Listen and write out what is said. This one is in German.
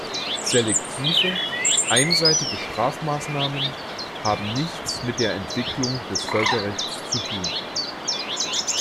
Selektive, einseitige Strafmaßnahmen haben nichts mit der Entwicklung des Völkerrechts zu tun.